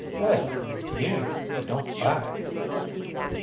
"Well, usual they don't bite."